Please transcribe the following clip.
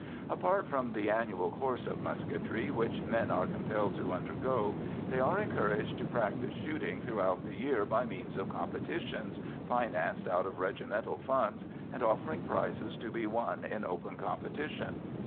Apart from the annual course of musketry which men are compelled to undergo, they are encouraged to practise shooting throughout the year by means of competitions, financed out of regimental funds, and offering prizes to be won in open competition.